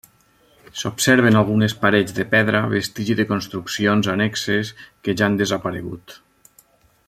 S'observen algunes parets de pedra, vestigi de construccions annexes que ja han desaparegut.